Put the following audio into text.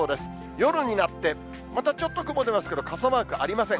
夜になって、またちょっと雲出ますけれども、傘マークありません。